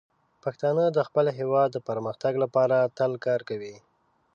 پښتانه د خپل هیواد د پرمختګ لپاره تل کار کوي.